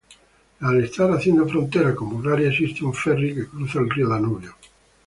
Al estar haciendo frontera con Bulgaria existe un Ferry que cruza el río Danubio.